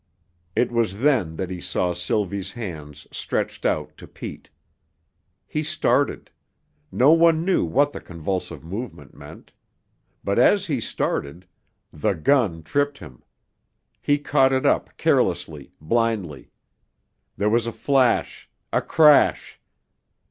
It was then that he saw Sylvie's hands stretched out to Pete. He started no one knew what the convulsive movement meant; but as he started the gun tripped him. He caught it up carelessly, blindly. There was a flash a crash.